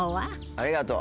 ありがとう。